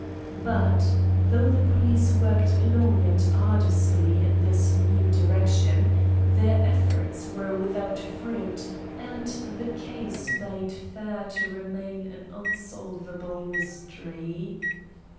But, though the police worked long and arduously in this new direction, their efforts were without fruit, and the case bade fair to remain an unsolvable mystery.